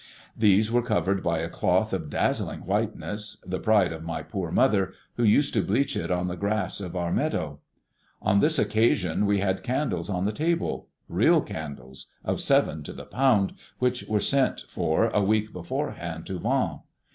These were covered by a cloth of dazzling whiteness, the pride of my poor mother, who used to bleach it on the grass of our meadow. On this occasion we had candles on the table, real candles, of seven to the pound, which were sent for a week beforehand to Vannes.